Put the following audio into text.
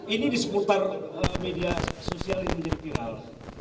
ini disekutar media sosial yang menjadi viral